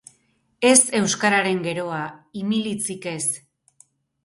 Ez euskararen geroa, imilitzik ez.